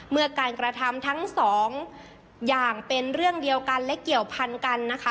เมื่อการกระทำทั้งสองอย่างเป็นเรื่องเดียวกันและเกี่ยวพันกันนะคะ